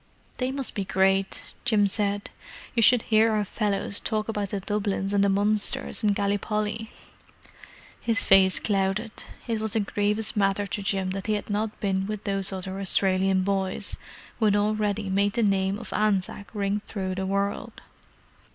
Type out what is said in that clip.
"They must be great," Jim said. "You should hear our fellows talk about the Dublins and the Munsters in Gallipoli." His face clouded: it was a grievous matter to Jim that he had not been with those other Australian boys who had already made the name of Anzac ring through the world.